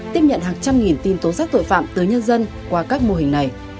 tiếp nhận hàng trăm nghìn tin tố giác tội phạm tới nhân dân qua các mô hình này